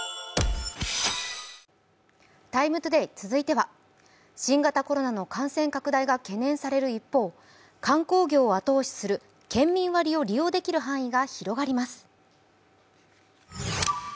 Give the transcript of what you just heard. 「ＴＩＭＥ，ＴＯＤＡＹ」続いては新型コロナの感染拡大が懸念される一方、観光業を後押しする県民割を利用できる範囲が広がります。